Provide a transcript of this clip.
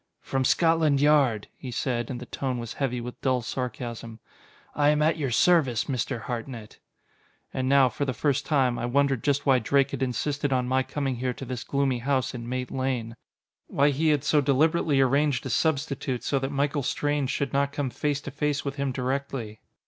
"From Scotland Yard," he said, and the tone was heavy with dull sarcasm. "I am at your service, Mr. Hartnett." And now, for the first time, I wondered just why Drake had insisted on my coming here to this gloomy house in Mate Lane. Why he had so deliberately arranged a substitute so that Michael Strange should not come face to face with him directly.